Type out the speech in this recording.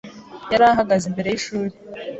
Yari ahagaze imbere y’ishuri.